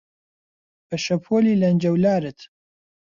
بە شەپۆلی لەنجەولارت